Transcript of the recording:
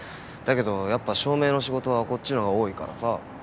だけどやっぱ照明の仕事はこっちの方が多いからさ。